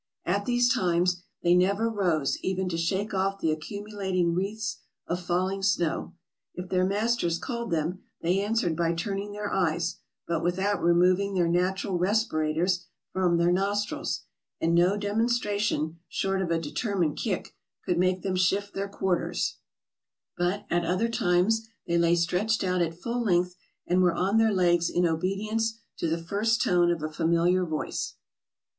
At these times, they never rose even to shake off the accumu lating wreaths of falling snow; if their masters called them, they answered by turning their eyes, but without removing their natural respirators from their nostrils, and no demon stration, short of a determined kick, could make them shift their quarters; but, at other times, they lay stretched out at full length, and were on their legs in obedience to the first tone of a familiar voice.